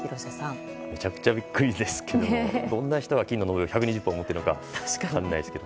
めちゃくちゃビックリですがどんな人が金の延べ棒を１２０本も持っているのか分からないですけど。